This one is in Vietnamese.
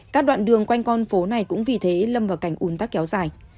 các đoạn đường quanh con phố này cũng vì thế lâm vào cảnh ủn tắc kéo dài